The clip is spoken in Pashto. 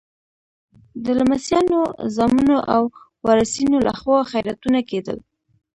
د لمسیانو، زامنو او وارثینو لخوا خیراتونه کېدل.